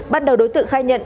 ban đầu đối tượng khai nhận